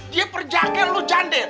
dia perjaga lu jande